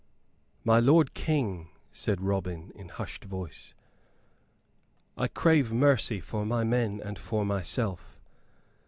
"My lord King," said Robin, in hushed voice, "I crave mercy for my men and for myself.